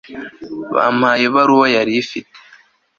bampaye ibaruwa yari afite